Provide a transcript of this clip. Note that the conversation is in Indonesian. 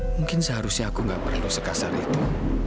mungkin seharusnya aku nggak perlu sekasar itu